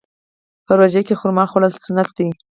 په روژه کې خرما خوړل سنت دي.